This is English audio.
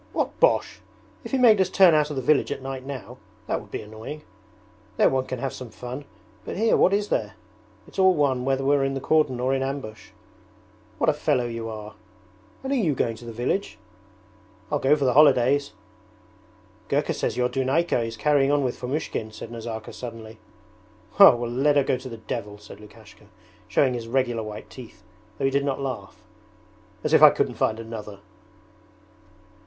'What bosh! If he made us turn out of the village at night now, that would be annoying: there one can have some fun, but here what is there? It's all one whether we're in the cordon or in ambush. What a fellow you are!' 'And are you going to the village?' 'I'll go for the holidays.' 'Gurka says your Dunayka is carrying on with Fomushkin,' said Nazarka suddenly. 'Well, let her go to the devil,' said Lukashka, showing his regular white teeth, though he did not laugh. 'As if I couldn't find another!'